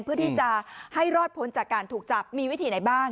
เพื่อที่จะให้รอดพ้นจากการถูกจับมีวิธีไหนบ้าง